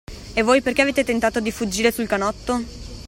E voi perché avete tentato di fuggire sul canotto?